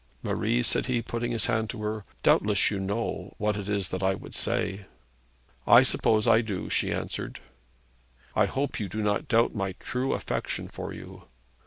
'Marie,' said he, putting out his hand to her, 'doubtless you know what it is that I would say.' 'I suppose I do,' she answered. 'I hope you do not doubt my true affection for you.'